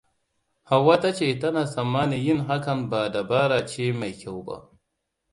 Hauwa ta ce tana tsammanin yin hakan ba dabara ce mai kyau ba.